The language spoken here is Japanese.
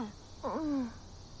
うん。